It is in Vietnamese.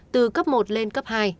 từ cấp một lên cấp hai